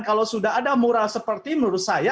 dan kalau sudah ada murah seperti menurut saya